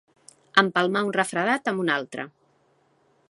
Empalmar un refredat amb un altre.